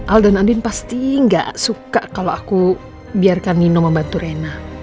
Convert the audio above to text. al dan andin pasti gak suka kalau aku biarkan nino membantu rena